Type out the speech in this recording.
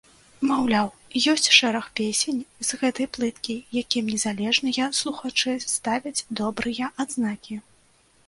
Маўляў, ёсць шэраг песень з гэтай плыткі, якім незалежныя слухачы ставяць добрыя адзнакі.